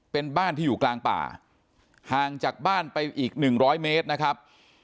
เป็นบ้านที่อยู่กลางป่าห่างจากบ้านไปอีก๑๐๐เมตรนะครับ